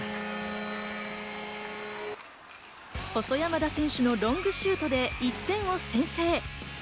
細山田選手のロングシュートで１点を先制。